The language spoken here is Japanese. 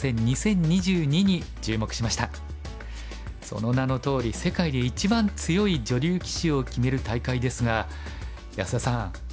その名のとおり世界で一番強い女流棋士を決める大会ですが安田さん